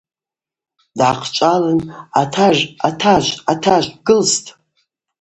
Дгӏахъчӏвалын – Атажв, атажв, бгылстӏ.